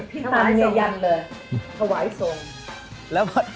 พี่ตันมึยยันเลย